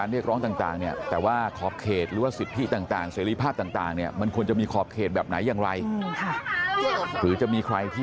หรือว่าการทุ่มนุมการเรียกร้องต่างเนี่ย